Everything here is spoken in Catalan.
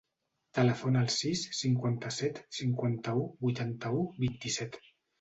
Telefona al sis, cinquanta-set, cinquanta-u, vuitanta-u, vint-i-set.